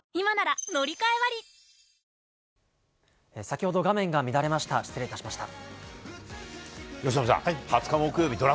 先ほど画面が乱れました。